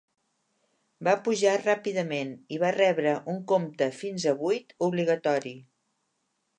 Va pujar ràpidament i va rebre un compte fins a vuit obligatori.